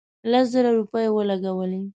لس زره روپۍ ولګولې.